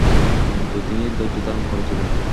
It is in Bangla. কিন্তু তিনি ধৈর্যধারণ করেছিলেন।